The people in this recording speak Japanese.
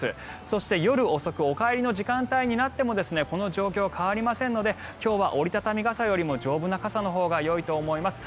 そして夜遅くお帰りの時間帯になってもこの状況、変わりませんので今日は折り畳み傘よりも丈夫な傘のほうがよいと思います。